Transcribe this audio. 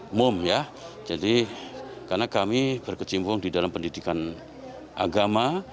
umum ya jadi karena kami berkecimpung di dalam pendidikan agama